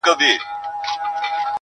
کوچي نکلونه، د آدم او دُرخانۍ سندري.!